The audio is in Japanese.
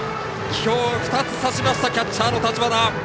きょう２つさしましたキャッチャーの立花。